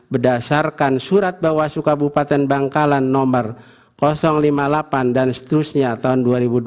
berdasarkan surat bawaslu kabupaten bangkalan nomor lima puluh delapan dan seterusnya tahun dua ribu dua puluh